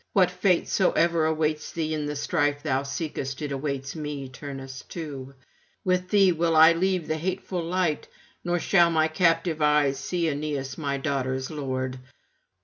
What fate soever awaits thee in the strife thou seekest, it awaits me, Turnus, too: with thee will I leave the hateful light, nor shall my captive eyes see Aeneas my daughter's lord.'